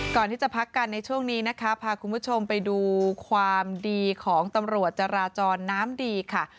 ก่อนที่จะพักกันในช่วงนี้นะคะพาคุณผู้ชมไปดูความดีของตำรวจจราจรน้ำดีค่ะ